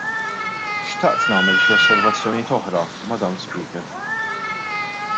Xtaqt nagħmel xi osservazzjonijiet oħra, Madam Speaker.